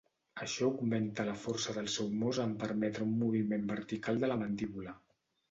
Això augmenta la força del seu mos en permetre un moviment vertical de la mandíbula.